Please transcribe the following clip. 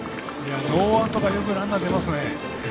ノーアウトからよくランナー出ますね。